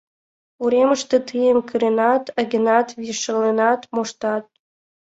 Уремыште тыйым кыренат, агенат, виешленат моштат.